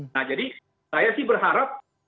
nah jadi saya sih berharap